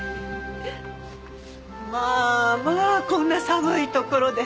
まあまあこんな寒いところで。